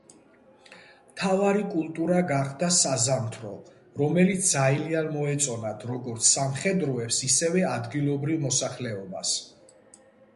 მთავარი კულტურა გახდა საზამთრო, რომელიც ძალიან მოეწონათ როგორც სამხედროებს, ისევე ადგილობრივ მოსახლეობას.